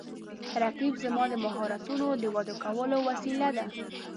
رقیب زما د مهارتونو د وده کولو وسیله ده